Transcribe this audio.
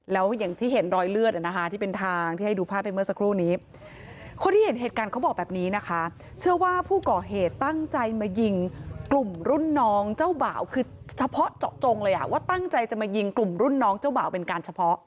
แล้วอย่างที่เห็นรอยเลือดอ่ะนะคะที่เป็นทางที่ให้ดูภาพไปเมื่อสักครู่นี้คนที่เห็นเหตุการณ์เขาบอกแบบนี้นะคะเชื่อว่าผู้ก่อเหตุตั้งใจมายิงกลุ่มรุ่นน้องเจ้าบ่าวคือเฉพาะเจาะจงเลยอ่ะว่าตั้งใจจะมายิงกลุ่มรุ่นน้องเจ้าบ่าวเป็นการเฉพาะ